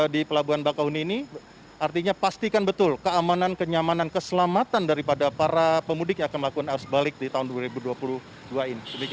di pelabuhan bakahuni ini artinya pastikan betul keamanan kenyamanan keselamatan daripada para pemudik yang akan melakukan arus balik di tahun dua ribu dua puluh dua ini